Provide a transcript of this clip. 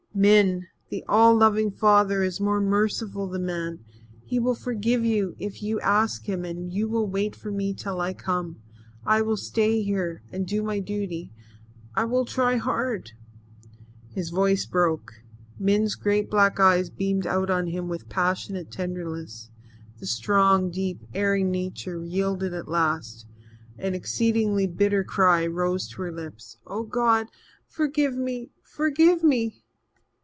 "Min, the all loving Father is more merciful than man. He will forgive you, if you ask Him, and you will wait for me till I come. I will stay here and do my duty I will try hard " His voice broke. Min's great black eyes beamed out on him with passionate tenderness. The strong, deep, erring nature yielded at last. An exceeding bitter cry rose to her lips. "Oh, God forgive me forgive me!"